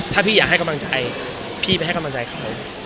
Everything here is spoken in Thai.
ถ้าพี่อยากให้กำลังใจพี่ไปให้กำลังใจเขา